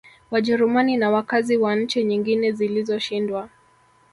Wajerumani na wakazi wa nchi nyingine zilizoshindwa